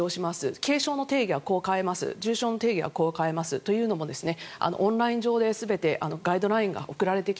軽症の定義はこう変えます重症の定義はこう変えますというのもオンライン上で全てガイドラインが送られてきて